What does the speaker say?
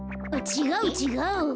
ちがうちがう。